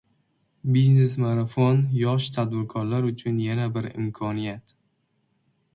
Biznes marafon – yosh tadbirkorlar uchun yana bir imkoniyat